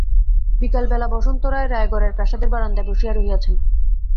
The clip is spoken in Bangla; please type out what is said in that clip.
বিকালবেলা বসন্ত রায় রায়গড়ের প্রাসাদের বারান্দায় বসিয়া রহিয়াছেন।